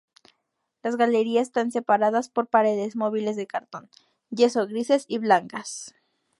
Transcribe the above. Las galerías están separadas por paredes móviles de cartón yeso grises y blancas.